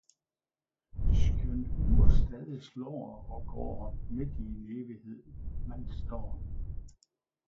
Skjøndt uhret stadigt slaaer og gaaer, midt i en evighed man staaer